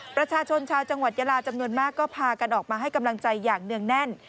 ประชาชนชาวจังหวัดยาลาจำนวนมากก็พากันออกมาให้กำลังใจอย่างเนื่องแน่น